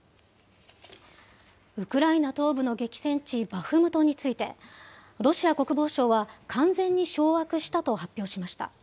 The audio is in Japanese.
ウクライナ東部の激戦地バフムトについて、ロシア国防省は完全に掌握したと発表しました。